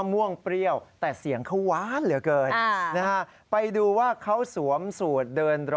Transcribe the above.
มีเสียงเพราะไหมล่ะคุณ